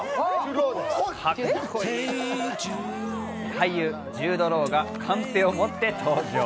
俳優ジュード・ロウがカンペを持って登場。